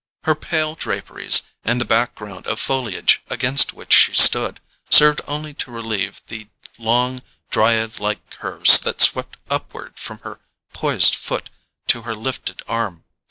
Her pale draperies, and the background of foliage against which she stood, served only to relieve the long dryad like curves that swept upward from her poised foot to her lifted arm.